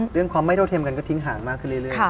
เรื่องความไม่เท่าเทียมกันก็ทิ้งห่างมากขึ้นเรื่อย